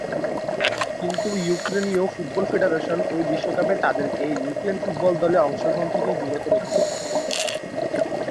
কিন্তু ইউক্রেনীয় football federation ঐ বিশ্বকাপে তাদেরকে ইউক্রেন ফুটবল দলে অংশগ্রহণ থেকে বিরত রেখেছিল।